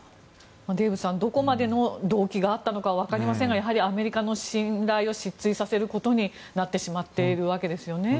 デーブさんどこまでの動機があったのかは分かりませんがやはりアメリカの信頼を失墜させることになってしまっているわけですよね。